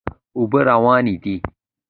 اوبه روانې دي.